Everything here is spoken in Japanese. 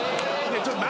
ちょっと何？